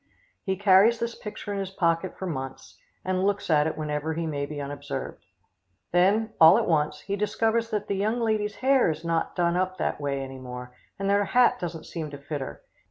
He carries this picture in his pocket for months, and looks at it whenever he may be unobserved. Then, all at once, he discovers that the young lady's hair is not done up that way any more, and that her hat doesn't seem to fit her.